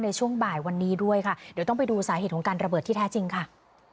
ในช่วงบ่ายวันนี้ด้วยค่ะเดี๋ยวต้องไปดูสาเหตุของการระเบิดที่แท้จริงค่ะ